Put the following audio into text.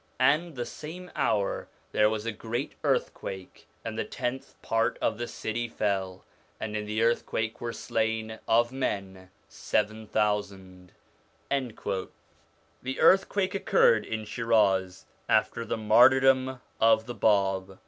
'And the same hour there was a great earthquake, and the tenth part of the city fell, and in the earth quake were slain of men seven thousand.' This earthquake occurred in Shiraz after the martyr dom of the Bab.